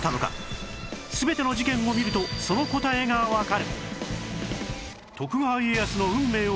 全ての事件を見るとその答えがわかる